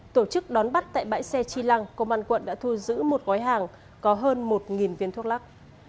tổ chức đón bắt tại bãi xe chi lăng công an quận đã thu giữ một gói hàng có hơn một viên thuốc lắc